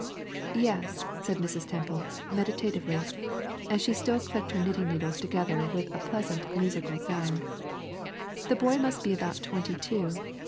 "Yes," said Mrs. Temple, meditatively, as she still clicked her knitting needles together with a pleasant musical sound, "the boy must be about twenty two.